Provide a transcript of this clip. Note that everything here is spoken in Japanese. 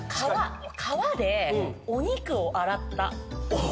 川でお肉を洗った。